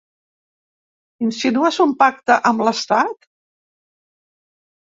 Insinues un pacte amb l’estat.